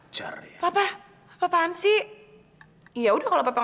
kalau kamu gak keberatan